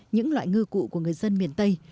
những loại ngư cụ của người dân miền tây